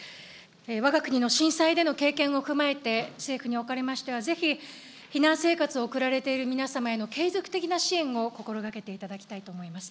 わが国の震災での経験を踏まえて、政府におかれましては、ぜひ避難生活を送られている皆様への継続的な支援を心がけていただきたいと思います。